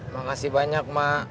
makasih banyak mak